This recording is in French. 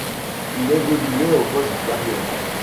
Il évoluait au poste d'arrière.